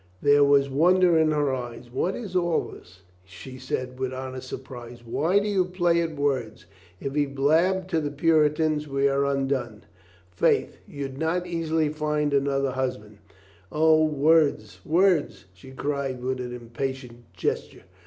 There was wonder in her eyes. "What is all this?" she said with honest surprise. "Why do you play at words? If he blab to the Puritans we are undone." "Faith, you'd not easily find another husband." "O, words, words," she cried with an impatient gesture.